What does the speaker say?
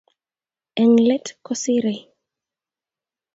Eng let kosirei